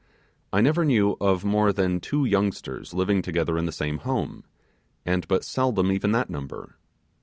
I never knew of more than two youngsters living together in the same home, and but seldom even that number.